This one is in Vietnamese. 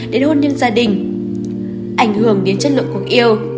để hôn nhân gia đình ảnh hưởng đến chất lượng cuộc yêu